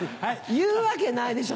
言うわけないでしょ